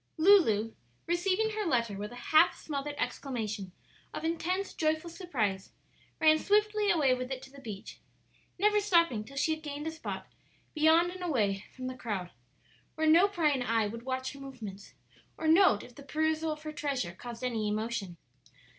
'" Lulu, receiving her letter with a half smothered exclamation of intense, joyful surprise, ran swiftly away with it to the beach, never stopping till she had gained a spot beyond and away from the crowd, where no prying eye would watch her movements or note if the perusal of her treasure caused any emotion.